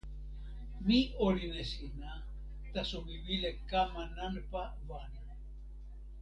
mi olin e sina, taso mi wile kama nanpa wan.